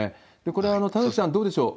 これは田崎さん、どうでしょう。